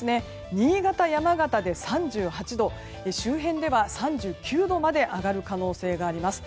新潟、山形で３８度周辺では３９度まで上がる可能性があります。